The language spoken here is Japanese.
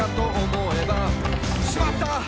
「しまった！